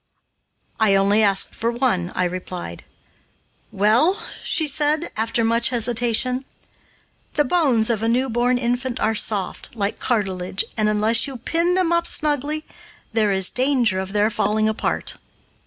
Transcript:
"I only asked for one," I replied. "Well," said she, after much hesitation, "the bones of a newborn infant are soft, like cartilage, and, unless you pin them up snugly, there is danger of their falling apart."